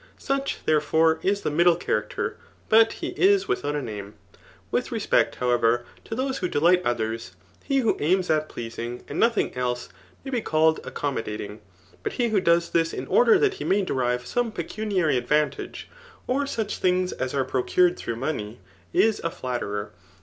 Such, therefore^ is the middle character, but he is without a name* With re q>ect, however, to those who ddight others, he who aims at pleasing, and nothing else, may be called accommodate ing ; but he who does this in order that he may derive some pecuniary advantage, or such thii^ as are procured through money, is a flatterer.